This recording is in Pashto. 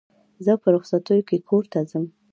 زه په رخصتیو کښي کور ته ځم.